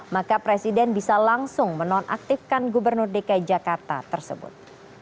maka presiden bisa langsung menonaktifkan gubernur dki jakarta tersebut